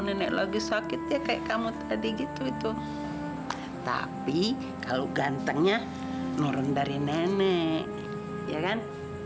nenek lagi sakit ya kayak kamu tadi gitu itu tapi kalau gantengnya nurun dari nenek ya kan